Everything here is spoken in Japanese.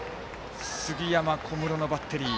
杉山、小室のバッテリー。